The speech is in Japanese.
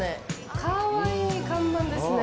かわいい看板ですね。